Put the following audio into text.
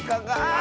あ！